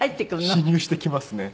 侵入してきますね。